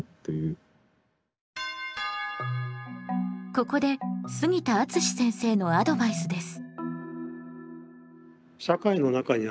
ここで杉田敦先生のアドバイスです。